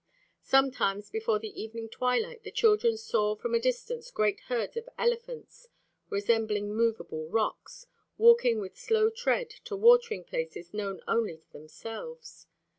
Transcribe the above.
Sometimes before the evening twilight the children saw from a distance great herds of elephants, resembling movable rocks, walking with slow tread to watering places known only to themselves.